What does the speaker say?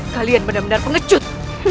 kalian benar benar pengecut